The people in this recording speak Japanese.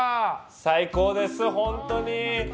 最高です、本当に。